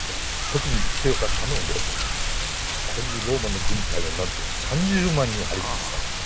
ここにローマの軍隊がなんと３０万人張り付いてたんですよ。